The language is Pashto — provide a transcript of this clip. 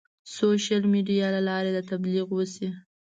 سوشیل میډیا له لارې د تبلیغ وشي.